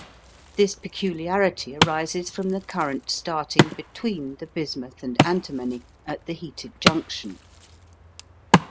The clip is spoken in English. This peculiarity arises from the current starting between the bismuth and antimony at the heated junction.